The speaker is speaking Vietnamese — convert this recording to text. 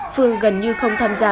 phương gần như không tham gia